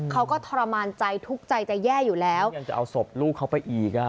เขาก็ทรมานใจทุกข์ใจจะแย่อยู่แล้วยังจะเอาศพลูกเขาไปอีกอ่ะ